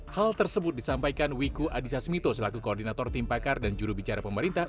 hal tersebut disampaikan wiku adhisa smito selaku koordinator tim pakar dan jurubicara pemerintah